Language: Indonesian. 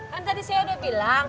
kan tadi saya udah bilang